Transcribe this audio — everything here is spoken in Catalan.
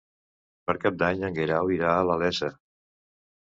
Per Cap d'Any en Guerau irà a la Iessa.